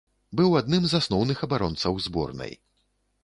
Быў адным з асноўных абаронцаў зборнай.